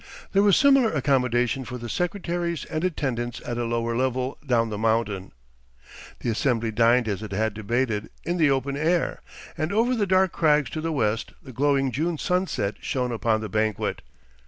There was similar accommodation for the secretaries and attendants at a lower level down the mountain. The assembly dined as it had debated, in the open air, and over the dark crags to the west the glowing June sunset shone upon the banquet.